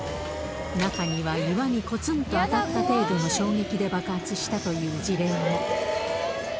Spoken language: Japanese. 中には、岩にこつんと当たった程度の衝撃で爆発したという事例も。